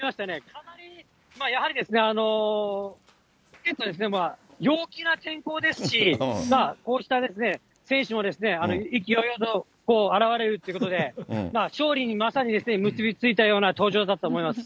かなり、やはり陽気な天候ですし、こうした選手も意気揚々と現れるということで、勝利に、まさに結び付いたような登場だったと思います。